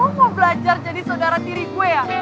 lu mau belajar jadi saudara tiri gue ya